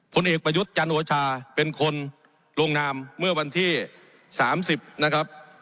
ผลเอกประยุทธ์จันโอชาเป็นคนลงนามเมื่อวันที่๓๐นะครับ